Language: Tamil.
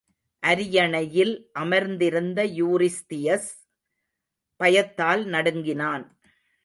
அரியணையில் அமர்ந்திருந்த யூரிஸ்தியஸ் பயத்தால் நடுங்கினான்.